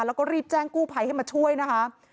แล้วก็รีบแจ้งกู้ภัยให้มาช่วยนะคะ